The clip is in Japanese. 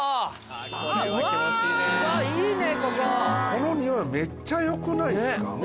この庭めっちゃよくないですか？